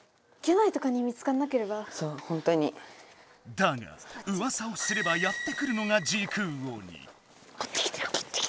だがうわさをすればやって来るのが時空鬼。